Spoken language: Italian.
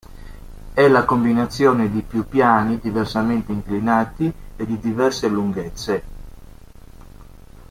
È la combinazione di più piani diversamente inclinati e di diverse lunghezze.